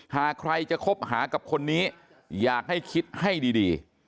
หากใครจะคบหากับคนนี้อยากให้คิดให้ดี